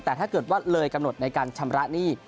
แต่ถ้าเกิดว่าเลยกำหนดในการชำระหนี้